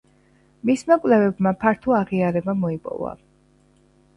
მისმა კვლევებმა ფართო აღიარება მოიპოვა.